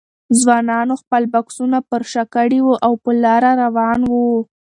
ځوانانو خپل بکسونه پر شا کړي وو او په لاره روان وو.